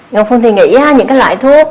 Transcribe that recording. ngọc phương thì nghĩ những loại thuốc